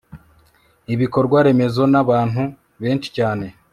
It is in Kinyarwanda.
ibikorwaremezo nabantu benshi cyane